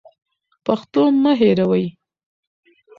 پښتو مه هېروئ.